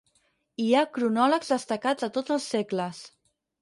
Hi ha cronòlegs destacats a tots els segles.